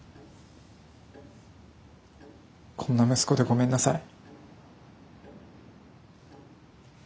こんな息子でごめんなさい。